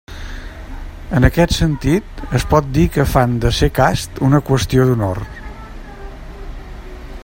En aquest sentit es pot dir que fan de ser casts una qüestió d'honor.